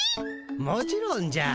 もちろんじゃ。